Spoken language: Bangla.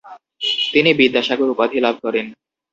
তিনি 'বিদ্যাসাগর' উপাধি লাভ করেন।